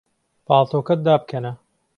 پاڵتۆکەت دابکەنە.